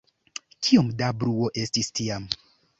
Kiom da bruo estis tiam..